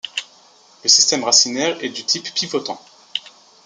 Le système racinaire est du type pivotant.